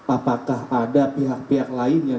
apakah ada pihak pihak lain yang